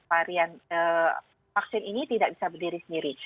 varian vaksin ini tidak bisa berdiri sendiri